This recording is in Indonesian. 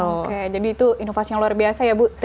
oke jadi itu inovasi yang luar biasa ya bu